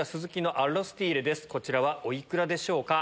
こちらはお幾らでしょうか？